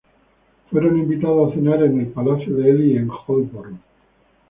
Fueron invitados a cenar en el Palacio de Ely en Holborn.